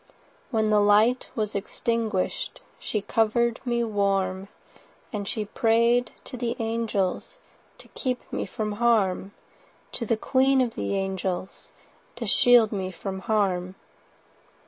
When the light was extinguish'd, She cover'd me warm, 80 And she pray'd to the angels To keep me from harm— To the queen of the angels To shield me from harm.